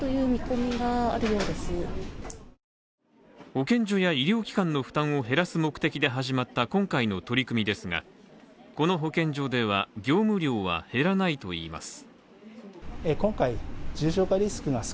保健所や医療機関の負担を減らす目的で始まった今回の取り組みですが、この保健所では、業務量は減らないといいます。